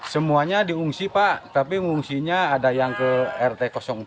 semuanya diungsi pak tapi mengungsinya ada yang ke rt empat